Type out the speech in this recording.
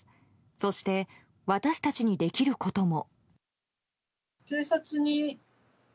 そして、私たちにできることも。